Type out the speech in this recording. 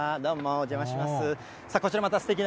お邪魔します。